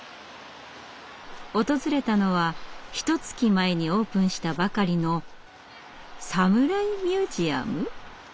訪れたのはひとつき前にオープンしたばかりの「サムライミュージアム」！？